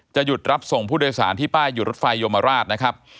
หยุดรับส่งผู้โดยสารที่ป้ายหยุดรถไฟโยมราชนะครับ